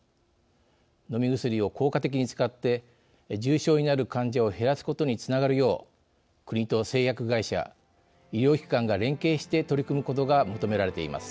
飲み薬を効果的に使って重症になる患者を減らすことにつながるよう国と製薬会社、医療機関が連携して、取り組むことが求められています。